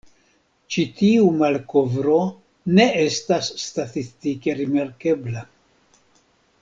Ĉi tiu malkovro ne estas statistike rimarkebla.